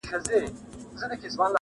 پروني ملا ویله چي کفار پکښي غرقیږي-